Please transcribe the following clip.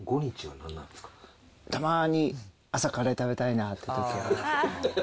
たまに朝、カレー食べたいなっていうときが。